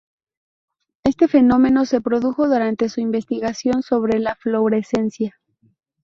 Este fenómeno se produjo durante su investigación sobre la fluorescencia.